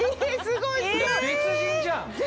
別人じゃん！